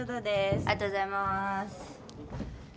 ありがとうございます。